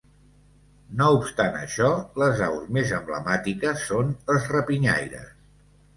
No obstant això, les aus més emblemàtiques són les rapinyaires.